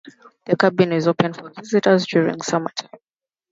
The cabin is open for visitors during summertime.